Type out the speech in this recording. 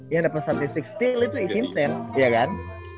yang dapet statistik steal itu vincent iya kan